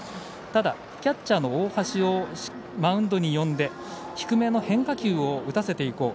ただ、キャッチャーの大橋をマウンドに呼んで低めの変化球を打たせていこう。